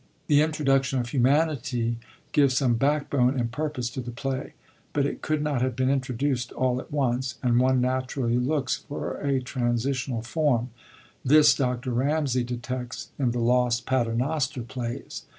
The introduction of Humanity gives some backbone and purpose to the play; but it could not have been introduced all at once, and one naturally looks for a transitional form. This Dr. Ramsay detects in the lost Paternoster plays.